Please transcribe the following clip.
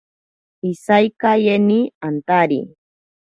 Iseikaeyeni antari.